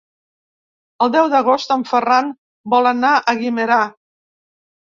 El deu d'agost en Ferran vol anar a Guimerà.